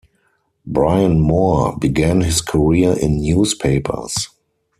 Brian Moore began his career in newspapers.